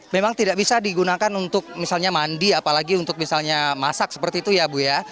memang tidak bisa digunakan untuk misalnya mandi apalagi untuk misalnya masak seperti itu ya bu ya